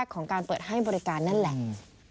ของการเปิดให้บริการนั่นแหละ